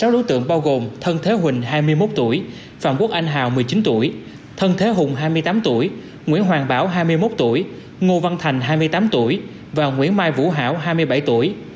sáu đối tượng bao gồm thân thế huỳnh hai mươi một tuổi phạm quốc anh hào một mươi chín tuổi thân thế hùng hai mươi tám tuổi nguyễn hoàng bảo hai mươi một tuổi ngô văn thành hai mươi tám tuổi và nguyễn mai vũ hảo hai mươi bảy tuổi